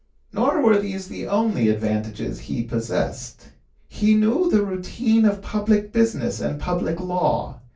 Nor were these the only advantages he possessed. He knew the routine of public business and public law.